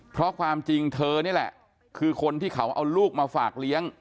เพราะความจริงเธอนี่แหละคือคนที่เขาเอาลูกมาฝากเลี้ยง